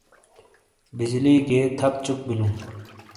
بجلی گیئے تھپ چُک بِیلوں۔